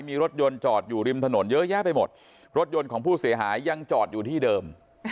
มีรถยนต์จอดอยู่ริมถนนเยอะแยะไปหมดรถยนต์ของผู้เสียหายยังจอดอยู่ที่เดิม